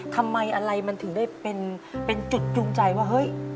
ทำไมอะไรมันถึงได้เป็นจุดจูงใจว่าเฮ้ย